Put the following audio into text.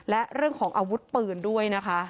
และเรื่องของอาวุธปืนด้วยนะคะ